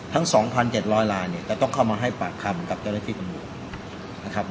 ทั้งสองพันเจ็ดร้อยลายเนี้ยจะต้องเข้ามาให้ปัดคำกับเจริชฟิตประโยชน์นะครับ